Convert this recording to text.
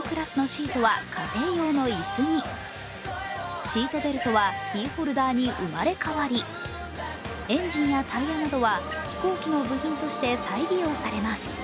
シートベルトはキーホルダーに生まれ変わりエンジンやタイヤなどは飛行機の部品として再利用されます。